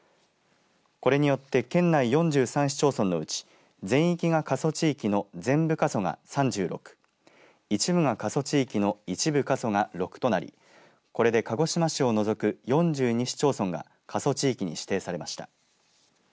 これによって県内４３市町村のうち全域が過疎地域の全部過疎が３６一部が過疎地域の一部過疎が６となりこれで、鹿児島市を除く４２市町村が過疎地域に指定されました。